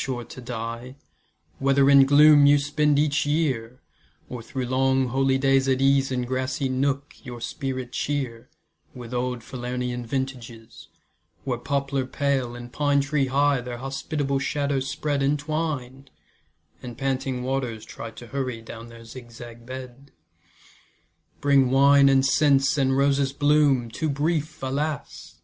sure to die, Whether in gloom you spend each year, Or through long holydays at ease In grassy nook your spirit cheer With old Falernian vintages, Where poplar pale, and pine tree high Their hospitable shadows spread Entwined, and panting waters try To hurry down their zigzag bed. Bring wine and scents, and roses' bloom, Too brief, alas!